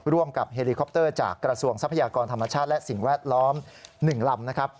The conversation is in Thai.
ร่วมกับเฮลิคอปเตอร์จากกระทรวงทรัพยากรธรรมชาติและสิ่งแวดล้อม๑ลำนะครับ